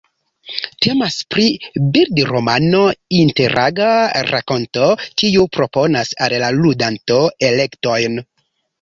Temas pri bildromano, interaga rakonto kiu proponas al la ludanto elektojn.